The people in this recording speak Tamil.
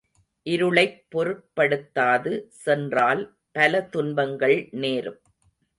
இருளைப் பொருட்படுத்தாது சென்றால் பல துன்பங்கள் நேரும்.